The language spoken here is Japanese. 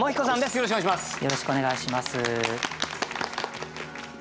よろしくお願いします！